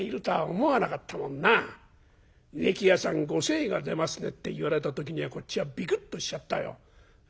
『植木屋さんご精が出ますね』って言われた時にはこっちはビクッとしちゃったよ。